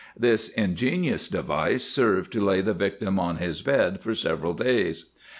* This ingenious device served to lay the victim on his bed for days.